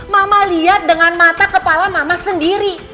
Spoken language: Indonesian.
mama lihat dengan mata kepala mama sendiri